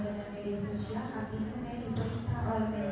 bukan yang ibu ketahui yang ibu jalanin